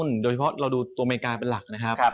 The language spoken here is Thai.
แต่ถ้าคลัมป์มาเนี่ยผิดธาตุ